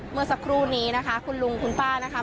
เมื่อสักครู่นี้นะคะคุณลุงคุณป้านะคะ